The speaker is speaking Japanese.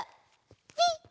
ピッ！